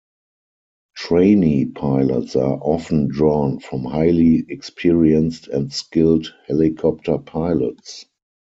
Trainee pilots are often drawn from highly experienced and skilled helicopter pilots.